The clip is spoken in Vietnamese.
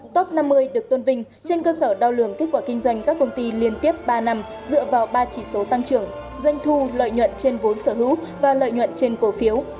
top năm mươi được tôn vinh trên cơ sở đo lường kết quả kinh doanh các công ty liên tiếp ba năm dựa vào ba chỉ số tăng trưởng doanh thu lợi nhuận trên vốn sở hữu và lợi nhuận trên cổ phiếu